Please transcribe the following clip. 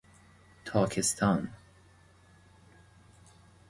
تاکستان